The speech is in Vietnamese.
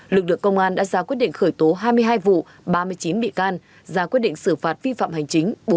lực lượng công an đã ra quyết định khởi tố hai mươi hai vụ ba mươi chín bị can ra quyết định xử phạt vi phạm hành chính